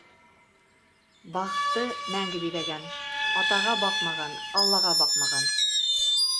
Бағты мәңге биҙәгән: Атаға баҡмаған — Аллаға баҡмаған.